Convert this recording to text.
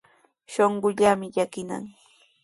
Shuqullaami llakinan.